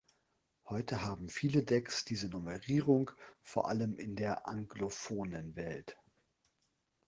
Heute haben viele Decks diese Numerierung, vor allem in der anglophonen Welt.